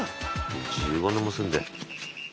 １５年も住んで。